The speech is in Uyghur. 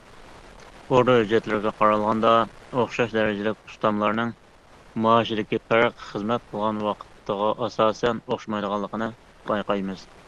ئوردا ھۆججەتلىرىگە قارالغاندا، ئوخشاش دەرىجىلىك ئۇستاملارنىڭ مائاشىدىكى پەرق، خىزمەت قىلغان ۋاقتىغا ئاساسەن ئوخشىمايدىغانلىقىنى بايقايمىز.